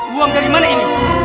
luang dari mana ini